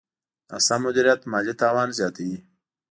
ناسم مدیریت مالي تاوان زیاتوي.